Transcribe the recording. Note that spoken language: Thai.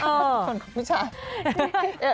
ผู้หญิงชนของผู้ชาย